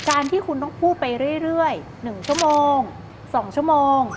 การที่คุณต้องพูดไปเรื่อย๑ชั่วโมง๒ชั่วโมง